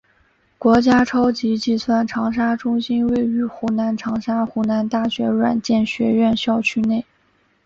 国家超级计算长沙中心位于湖南长沙湖南大学软件学院校区内。